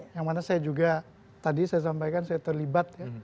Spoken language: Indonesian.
yang mana saya juga tadi saya sampaikan saya terlibat ya